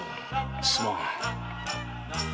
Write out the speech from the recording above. すまん。